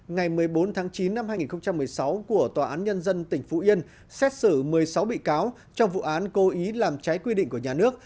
ngày một mươi bốn tháng chín năm hai nghìn một mươi sáu của tòa án nhân dân tỉnh phú yên xét xử một mươi sáu bị cáo trong vụ án cố ý làm trái quy định của nhà nước